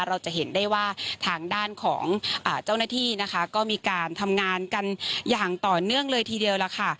เราจะเห็นได้ว่าทางด้านของเจ้าหน้าที่นะคะก็มีการทำงานกันอย่างต่อเนื่องเลยทีเดียวล่ะค่ะ